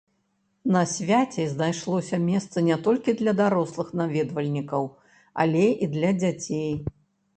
На свяце знайшлося месца не толькі для дарослых наведвальнікаў, але і для дзяцей.